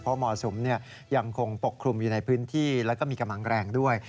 เพราะมรสุมยังคงปกคลุมอยู่ในพื้นที่แล้วก็มีกำลังแรงด้วย